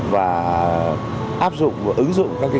và áp dụng và ứng dụng các kỹ kỹ